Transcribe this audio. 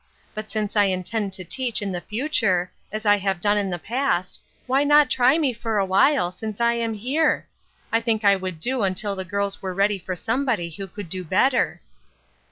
But, since I intend to teach in the future, as I have done in the past, why not try me for awhile, since I am here ? I think I would do until the girls were ready for some body who could do better."